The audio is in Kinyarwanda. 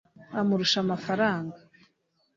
amurusha amafaranga